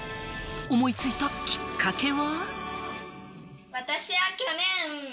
思いついたきっかけは？